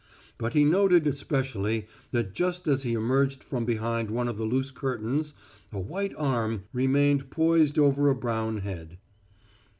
But he noted especially that just as he emerged from behind one of the loose curtains a white arm remained poised over a brown head.